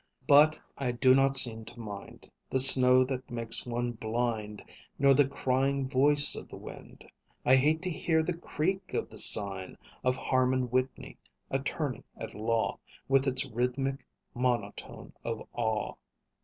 But I do not seem to mind The snow that makes one blind, Nor the crying voice of the wind I hate to hear the creak of the sign Of Harmon Whitney, attorney at law: With its rhythmic monotone of awe.